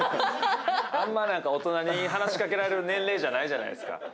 あんまり大人に話しかけられる年齢じゃないじゃないですか。